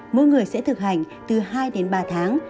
mỗi người sẽ thực hành từ hai đến ba tháng